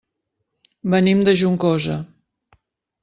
Venim de Juncosa.